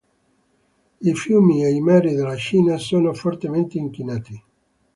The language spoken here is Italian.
I fiumi e i mari della Cina sono fortemente inquinati.